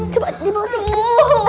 coba dibawa sini